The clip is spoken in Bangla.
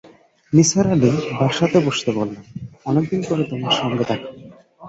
নিসার আলি বসাতে-বসতে বললেন, অনেক দিন পরে তোমার সঙ্গে দেখা।